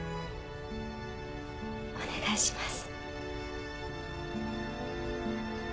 お願いします。